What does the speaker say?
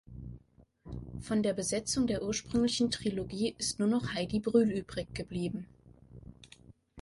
Von der Besetzung der ursprünglichen Trilogie ist nur noch Heidi Brühl übriggeblieben.